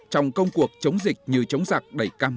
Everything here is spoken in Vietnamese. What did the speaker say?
trong công cuộc chống dịch như chống giặc đẩy cam